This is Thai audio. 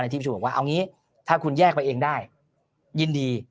ในทีมศูนย์ว่าเอางี้ถ้าคุณแยกไปเองได้ยินดี